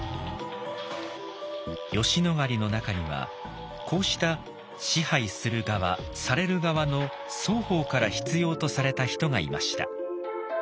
吉野ヶ里の中にはこうした支配する側される側の双方から必要とされた人がいました。